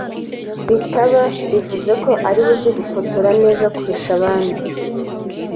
bitaba bivuze ko ariwe uzi gufotora neza kurusha abandi